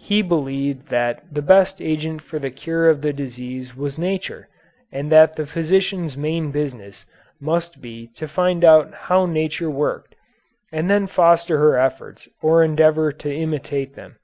He believed that the best agent for the cure of the disease was nature, and that the physician's main business must be to find out how nature worked, and then foster her efforts or endeavor to imitate them.